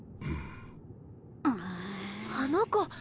あの子。